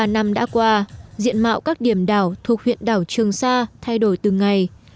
bốn mươi năm đã qua diện mạo các điểm đảo thuộc huyện đảo trường sa thay đổi từng ngày